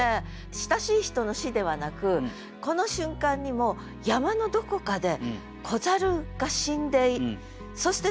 親しい人の死ではなくこの瞬間にも山のどこかで子猿が死んでそして